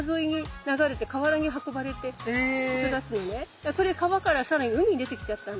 だからこれ川から更に海に出てきちゃったんだ。